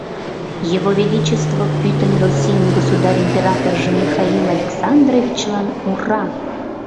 Его величество пӱтынь Российын государь императоржо Михаил Александровичлан - ура!